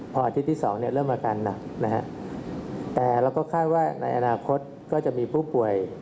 พออาทิตย์ที่๒เริ่มอาการหนักนะฮะแต่เราก็คาดว่าในอนาคตก็จะมีผู้ป่วย